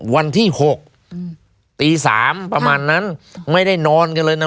วันที่หกอืมตีสามประมาณนั้นไม่ได้นอนกันเลยนะ